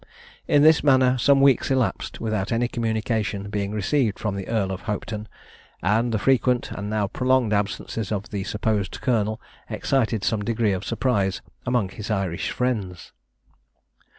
In this manner some weeks elapsed, without any communication being received from the Earl of Hopetoun; and the frequent, and now prolonged, absences of the supposed colonel excited some degree of surprise among his Irish friends.